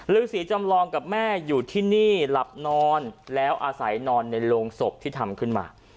ฤษีจำลองกับแม่อยู่ที่นี่หลับนอนแล้วอาศัยนอนในโรงศพที่ทำขึ้นมา